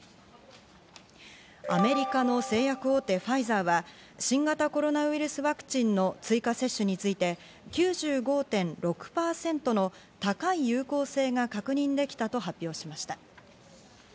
アメリカの製薬大手ファイザーは新型コロナウイルスワクチンの追加接種について９５．６％の高い有効性が確認できたと発表しました。